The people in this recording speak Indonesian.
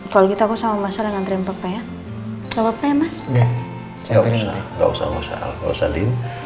kalau gitu aku sama masalah ngantriin papa ya nggak usah usah usah saling